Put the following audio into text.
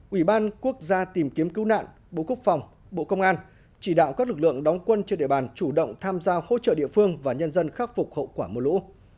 ủy ban quốc gia tìm kiếm cứu nạn bộ quốc phòng bộ công an chỉ đạo các lực lượng đóng quân trên địa bàn chủ động tham gia hỗ trợ địa phương và nhân dân khắc phục hậu quả mưa lũ